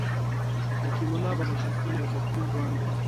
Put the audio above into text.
حکیم الله بابکرخېل یو پښتون ځوان دی.